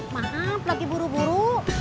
maaf lagi buru buru